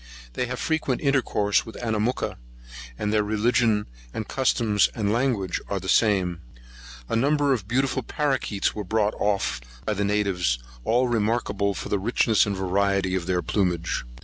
They have frequent intercourse with Anamooka, and their religion, customs, and language, are the same. A number of beautiful paroquets were brought off by the natives, all remarkable for the richness and variety of their plumage.